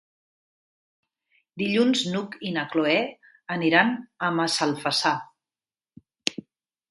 Dilluns n'Hug i na Cloè aniran a Massalfassar.